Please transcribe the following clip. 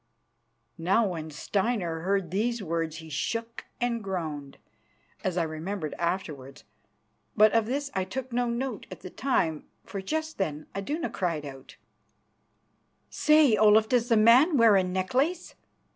Now, when Steinar heard these words he shook and groaned, as I remembered afterwards. But of this I took no note at the time, for just then Iduna cried out: "Say, Olaf, does the man wear a necklace?